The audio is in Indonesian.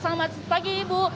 selamat pagi ibu